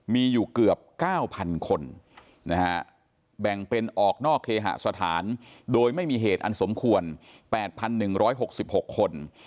มีอยู่เกือบ๙๐๐คนแบ่งเป็นออกนอกเคหสถานโดยไม่มีเหตุอันสมควร๘๑๖๖คน